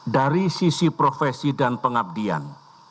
dari sisi profesi dan pengabdian